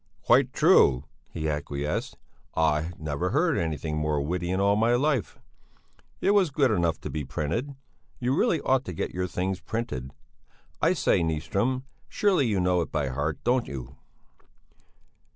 "Quite true," he acquiesced: "I never heard anything more witty in all my life; it was good enough to be printed; you really ought to get your things printed. I say, Nyström, surely you know it by heart, don't you?"